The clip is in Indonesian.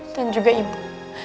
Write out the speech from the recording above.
dan juga ibu